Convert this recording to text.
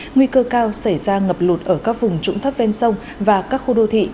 nguy cơ cao xảy ra ngập lụt ở các vùng trũng thấp ven sông và các khu đô thị